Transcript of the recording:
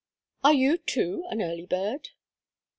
"Are you, too, an early bird?"